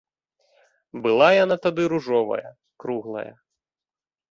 Была яна тады ружовая, круглая.